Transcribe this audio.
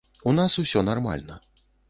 У нас усё нармальна.